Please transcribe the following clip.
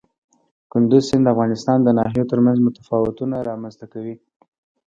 کندز سیند د افغانستان د ناحیو ترمنځ تفاوتونه رامنځ ته کوي.